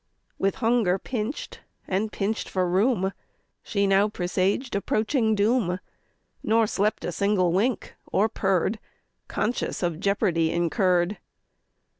With hunger pinch'd, and pinch'd for room, She now presaged approaching doom, Nor slept a single wink, or purr'd, Conscious of jeopardy incurr'd.